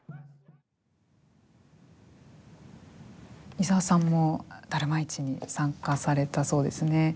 伊澤さんもダルマ市に参加されたそうですね。